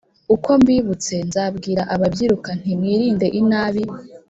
uko mbibutse nzabwira ababyiruka nti mwirinde inabi,